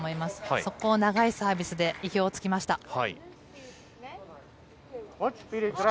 そこを長いサービスで意表を突きました。